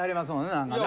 何かね。